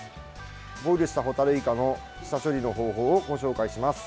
ボイルしたホタルイカの下処理の方法をご紹介します。